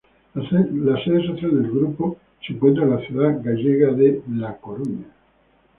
La sede social del grupo se encuentra en la ciudad gallega de La Coruña.